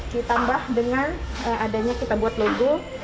ditambah dengan adanya kita buat logo